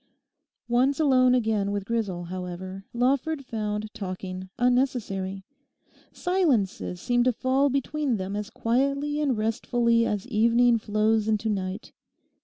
Once alone again with Grisel, however, Lawford found talking unnecessary. Silences seemed to fall between them as quietly and restfully as evening flows into night.